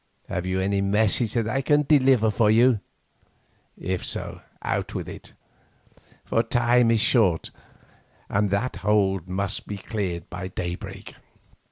Have you any message that I can deliver for you? If so, out with it, for time is short and that hold must be cleared by daybreak."